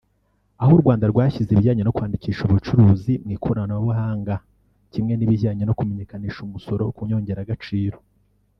aho u Rwanda rwashyize ibijyanye no kwandikisha ubucuruzi mu ikoranabuhanga kimwe n’ibijyanye no kumenyekanisha umusoro ku nyongeragaciro